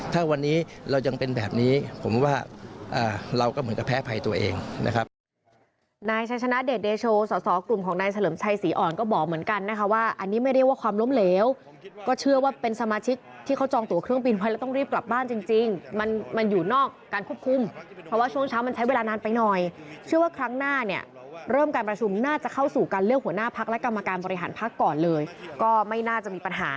ถ้าวันนี้เรายังเป็นแบบนี้ผมว่าเราก็เหมือนจะแพ้ภัยตัวเองนะครับ